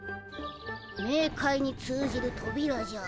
メーカイに通じるとびらじゃ。